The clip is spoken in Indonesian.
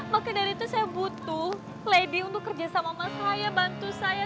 maka dari itu saya butuh lady untuk kerja sama mas saya bantu saya